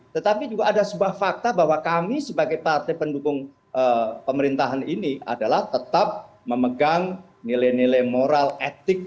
tetapi juga ada sebuah fakta bahwa kami sebagai partai pendukung pemerintahan ini adalah tetap memegang nilai nilai moral etik